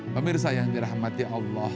pemirsa yang dirahmati allah